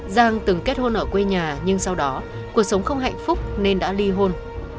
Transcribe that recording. giang từng kết hôn ở quê nhà nhưng sau đó cuộc sống không hạnh phúc nên đã ly hôn